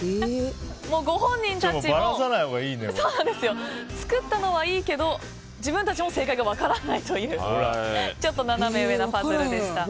ご本人たちも作ったのはいいけど自分たちも正解が分からないというちょっとナナメ上なパズルでした。